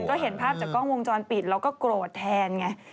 ก็เห็นภาพจากกล้องวงจรปิดแล้วก็โกรธแทนไง